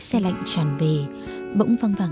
xe lạnh tràn về bỗng văng vẳng